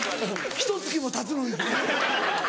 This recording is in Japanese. ひと月もたつのに。